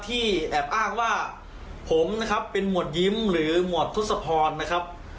แอบอ้างว่าผมนะครับเป็นหมวดยิ้มหรือหมวดทศพรนะครับ